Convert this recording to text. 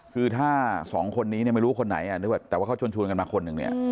คือถ้า๒คนนี้ไม่รู้คนไหนแต่ว่าเขาชนชวนมาคนฯนึงเนี่ย